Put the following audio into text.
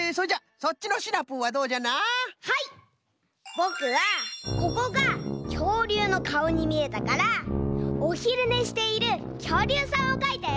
ぼくはここがきょうりゅうのかおにみえたからおひるねしているきょうりゅうさんをかいたよ。